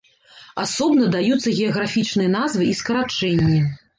Асобна даюцца геаграфічныя назвы і скарачэнні.